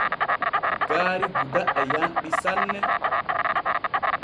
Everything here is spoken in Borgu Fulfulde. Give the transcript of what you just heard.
Gaari Gouda e yanɗi sanne.